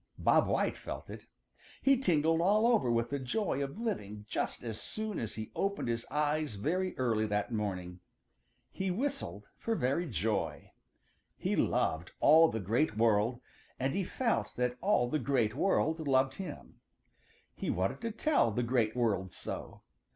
Bob White felt it. He tingled all over with the joy of living just as soon as he opened his eyes very early that morning. He whistled for very joy. He loved all the Great World, and he felt that all the Great World loved him. He wanted to tell the Great World so.